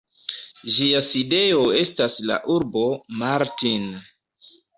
Ĝia sidejo estas la urbo Martin.